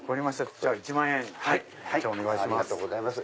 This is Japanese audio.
じゃあ１万円お願いします。